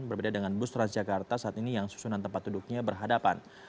berbeda dengan bus transjakarta saat ini yang susunan tempat duduknya berhadapan